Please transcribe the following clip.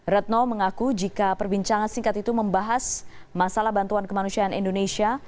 retno mengaku jika perbincangan singkat itu membahas masalah bantuan kemanusiaan indonesia